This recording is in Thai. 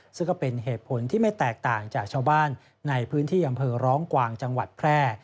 ซึ่งก็เป็นเหตุผลที่ไม่แตกต่างจากชาวบ้านในพื้นที่อำเภอร้องกวางจังหวัดแพร่